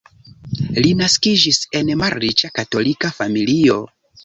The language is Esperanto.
Li naskiĝis en malriĉa katolika familio.